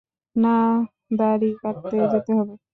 না, দাড়ি কাটতে যেতে হবে।